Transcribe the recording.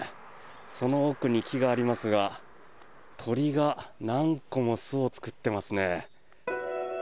その奥に木がありますが鳥が何個も巣を作ってますね。